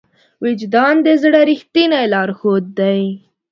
وجدان د زړه ریښتینی لارښود دی.